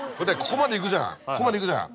ここまでいくじゃん